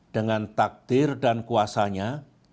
dengan takdir dan kuasanya